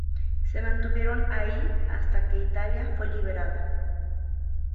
Se mantuvieron ahí hasta que Italia fue liberada.